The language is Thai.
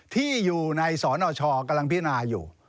ที่อยู่ในสนชกำลังพิจารณาอยู่